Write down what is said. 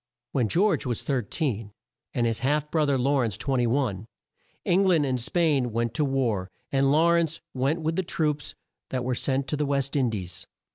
When George was 13 and his half bro ther Law rence 21, Eng land and Spain went to war, and Law rence went with the troops that were sent to the West In dies.